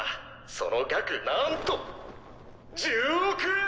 その額なんと１０億円！！